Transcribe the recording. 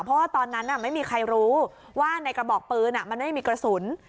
เพราะว่าตอนนั้นไม่มีใครรู้ว่าในกระบอกปืนมันไม่มีกระสุน